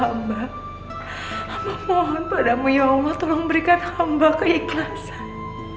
amba mohon padamu ya allah tolong berikan amba keikhlasan